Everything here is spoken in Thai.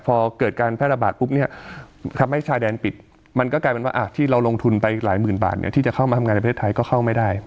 พอเกิดการแพร่ระบาดปุ๊บเนี่ยทำให้ชายแดนปิดมันก็กลายเป็นว่าที่เราลงทุนไปหลายหมื่นบาทเนี่ยที่จะเข้ามาทำงานในประเทศไทยก็เข้าไม่ได้